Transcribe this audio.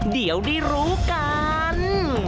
เดี๋ยวได้รู้กัน